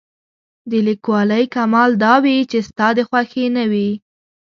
د لیکوالۍ کمال دا وي چې ستا د خوښې نه وي.